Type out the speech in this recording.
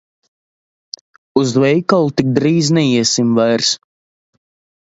Uz veikalu tik drīz neiesim vairs.